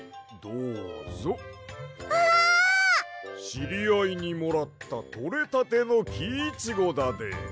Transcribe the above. しりあいにもらったとれたてのキイチゴだで。